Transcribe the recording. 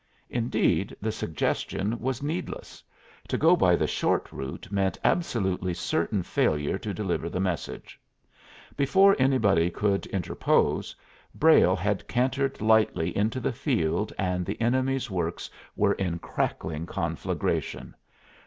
Indeed, the suggestion was needless; to go by the short route meant absolutely certain failure to deliver the message. Before anybody could interpose, Brayle had cantered lightly into the field and the enemy's works were in crackling conflagration.